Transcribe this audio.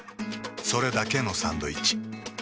それだけのサンドイッチ。